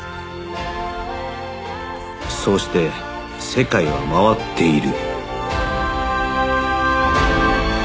そうして世界は回っている